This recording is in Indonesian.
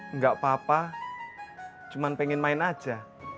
enggak apa apa cuma pengen main aja